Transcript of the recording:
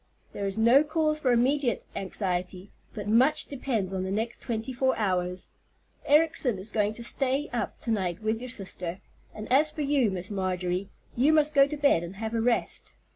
There is no cause for immediate anxiety; but much depends on the next twenty four hours. Ericson is going to stay up to night with your sister; and as for you, Miss Marjorie, you must go to bed and have a rest."